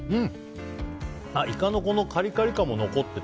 イカのカリカリ感も残ってて